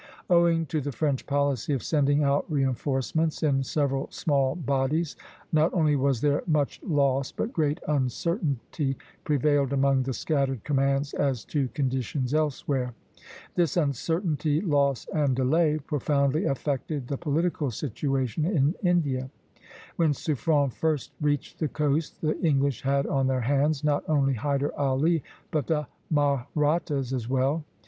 Owing to the French policy of sending out reinforcements in several small bodies, not only was there much loss, but great uncertainty prevailed among the scattered commands as to conditions elsewhere. This uncertainty, loss, and delay profoundly affected the political situation in India. When Suffren first reached the coast, the English had on their hands not only Hyder Ali, but the Mahrattas as well.